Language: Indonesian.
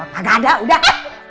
gak ada udah